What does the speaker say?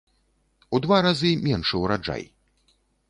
У два разы меншы ўраджай.